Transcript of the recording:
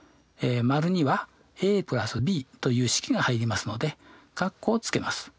○には＋ｂという式が入りますので括弧をつけます。